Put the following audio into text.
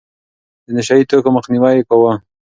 د نشه يي توکو مخنيوی يې کاوه.